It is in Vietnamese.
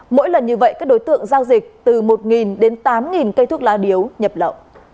mỗi lần như vậy các đối tượng giao dịch từ một đến tám cây thuốc lá điếu nhập lậu